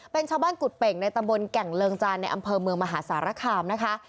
เป็นชาวบ้านกุฎเป่งในตำบลแก่งเริงจานในอำเภอเมืองมหาสารคามนะคะ